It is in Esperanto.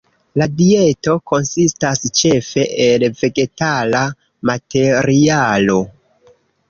La dieto konsistas ĉefe el vegetala materialo.